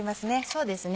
そうですね。